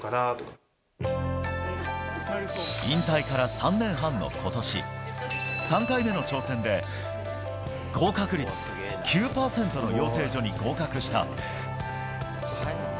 引退から３年半のことし、３回目の挑戦で、合格率９％の養成所に合格した。